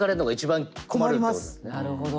なるほど。